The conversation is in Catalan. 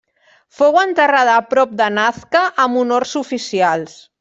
Fou enterrada prop de Nazca amb honors oficials.